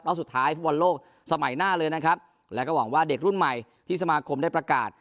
สุดท้ายฟุตบอลโลกสมัยหน้าเลยนะครับแล้วก็หวังว่าเด็กรุ่นใหม่ที่สมาคมได้ประกาศ